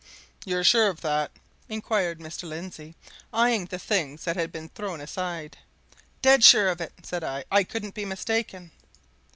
"You're sure of that?" inquired Mr. Lindsey, eyeing the things that had been thrown aside. "Dead sure of it!" said I. "I couldn't be mistaken."